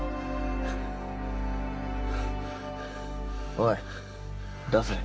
おい出せ。